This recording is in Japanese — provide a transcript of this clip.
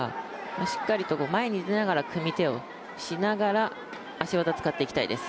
しっかりと前に出ながら組み手をしながら足技使っていきたいです。